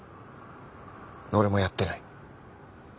俺もやってない。